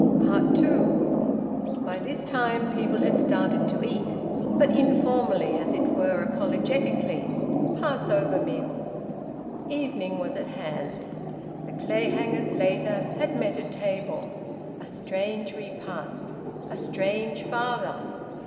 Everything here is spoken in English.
TWO. By this time people had started to eat, but informally, as it were apologetically Passover meals. Evening was at hand. The Clayhangers, later, had met at table. A strange repast! A strange father!